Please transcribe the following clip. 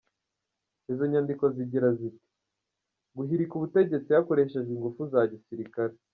Izo nyandiko zigira ziti "Guhirika ubutegetsi hakoreshejwe ingufu za gisirikare.